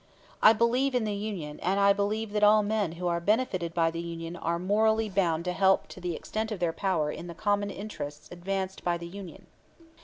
I believe in the union and I believe that all men who are benefited by the union are morally bound to help to the extent of their power in the common interests advanced by the union.